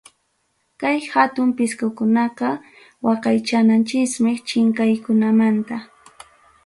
Kay hatun pisqukunaqa waqaychananchikmi, chinkaykunamanta.